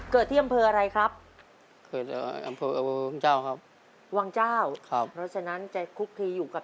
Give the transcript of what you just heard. เกิดที่อำเภออะไรครับ